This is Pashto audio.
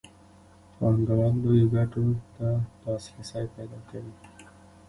پانګوال لویو ګټو ته لاسرسی پیدا کوي